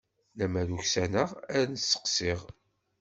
Lemmer uksaneɣ ar n-steqsiɣ.